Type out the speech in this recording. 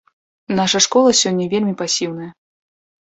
Наша школа сёння вельмі пасіўная.